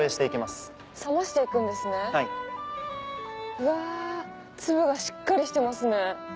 うわ粒がしっかりしてますね。